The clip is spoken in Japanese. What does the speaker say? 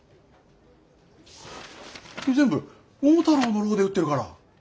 君全部桃太郎の「郎」で打ってるから。